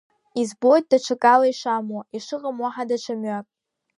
Избоит даҽакала ишамуа, ишыҟам уаҳа даҽа мҩак.